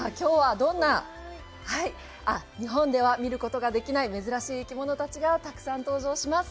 日本では見ることができない珍しい生き物たちがたくさん登場します。